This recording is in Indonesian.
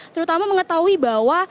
terutama mengetahui bahwa